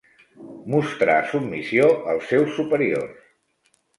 Mostrar submissió als seus superiors.